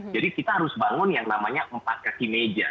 jadi kita harus bangun yang namanya empat kaki meja